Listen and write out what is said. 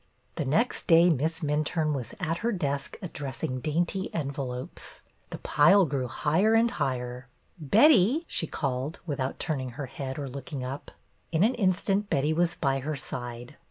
The next day Miss Minturne was at her desk addressing dainty envelopes. The pile grew higher and higher. Betty !" she called, without turning her head or looking up. In an instant Betty was by her side.